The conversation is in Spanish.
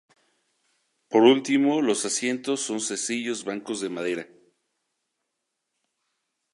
Por último los asientos son sencillos bancos de madera.